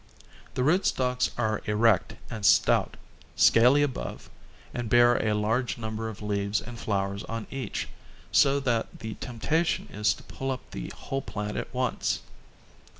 The rootstocks are erect and stout, scaly above, and bear a large number of leaves and flowers on each, so that the temptation is to pull up the whole plant at once.